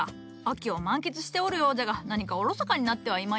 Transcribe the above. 秋を満喫しておるようじゃが何かおろそかになってはいまいか？